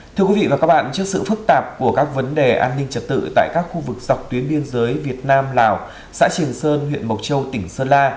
thưa quý vị và các bạn trước sự phức tạp của các vấn đề an ninh trật tự tại các khu vực dọc tuyến biên giới việt nam lào xã triển sơn huyện mộc châu tỉnh sơn la